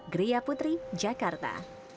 gria putri jakarta